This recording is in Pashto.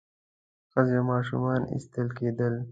ښځې او ماشومان ایستل کېدل.